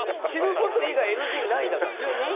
死ぬこと以外ＮＧないんだから。